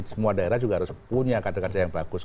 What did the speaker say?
semua daerah juga harus punya kade kade yang bagus